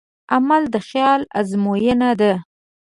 عمل د خیال ازموینه ده.